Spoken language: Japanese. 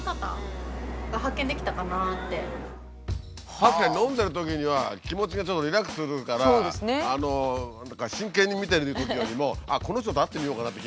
確かに飲んでるときには気持ちがちょっとリラックスするから真剣に見てるときよりもあっこの人と会ってみようかなって気になるかもね。